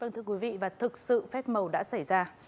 thưa quý vị và thực sự phép màu đã xảy ra